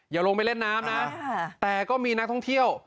อย่าลงไปเล่นน้ำนะแต่ก็มีนักท่องเที่ยว